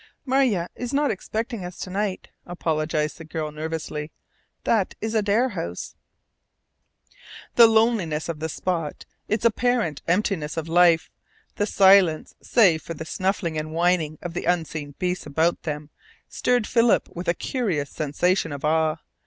"Marja is not expecting us to night," apologized the girl nervously. "That is Adare House." The loneliness of the spot, its apparent emptiness of life, the silence save for the snuffling and whining of the unseen beasts about them, stirred Philip with a curious sensation of awe.